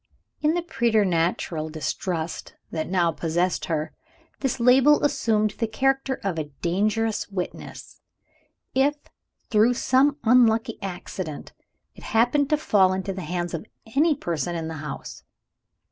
In the preternatural distrust that now possessed her, this label assumed the character of a dangerous witness, if, through some unlucky accident, it happened to fall into the hands of any person in the house.